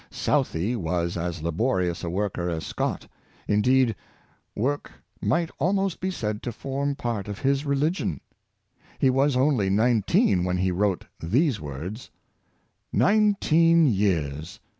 Southey was as laborious a worker as Scott. Indeed, work might almost be said to form part of his religion. He was only nineteen when he wrote these words: *' Nineteen years!